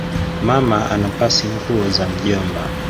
Mama anapasi nguo za mjomba